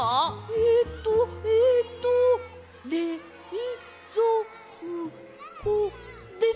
えっとえっとれいぞうこですよね？